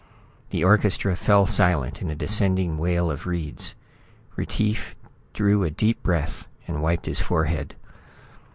The orchestra fell silent in a descending wail of reeds. Retief drew a deep breath and wiped his forehead.